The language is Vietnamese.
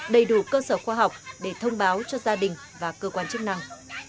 đầy đủ cơ sở khoa học để thông báo cho gia đình và cơ quan chức năng